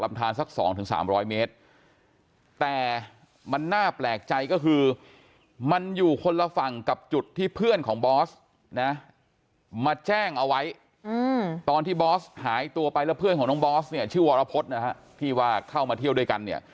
มาแจ้งเอาไว้ตอนที่บอสหายตัวไปแล้วเพื่อนของน้องบอสชื่อวรพฤษที่เข้ามาเที่ยวด้วยกัน